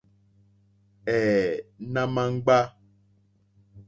Εε nà ma jgba.